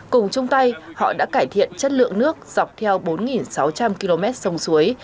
cùng chung tay họ đã cải thiện chất lượng nước dọc theo bốn sáu trăm linh km sông suối